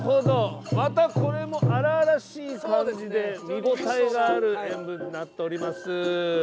またこれも荒々しい感じで見応えがある演舞になっております。